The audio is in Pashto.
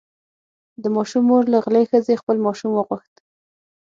د ماشوم مور له غلې ښځې خپل ماشوم وغوښت.